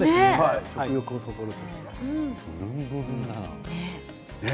食欲をそそる。